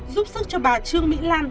giúp sức cho bà trương mỹ lan